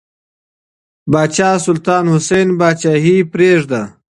پاچا سلطان حسین پاچاهي پرېږده.